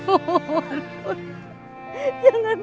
kau udah main klanstret